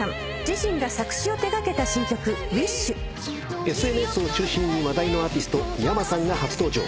自身が作詞を手掛けた新曲『Ｗｉｓｈ』ＳＮＳを中心に話題のアーティストｙａｍａさんが初登場。